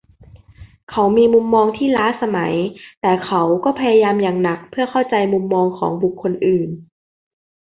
เขามีมุมมองที่ล้าสมัยแต่เขาก็พยายามอย่างหนักเพื่อเข้าใจมุมมองของบุคคลอื่น